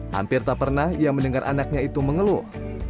hampir tak pernah ia mendengar anaknya itu mengeluh